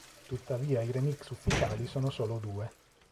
Tuttavia i remix ufficiali sono solo due.